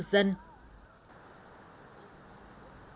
cáo lưới là nghề chuyển